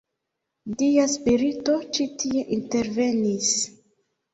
Dia spirito ĉi tie intervenis.